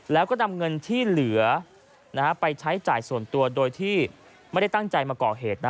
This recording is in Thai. แล้วก็นำเงินที่เหลือไปใช้จ่ายส่วนตัวโดยที่ไม่ได้ตั้งใจมาก่อเหตุนะ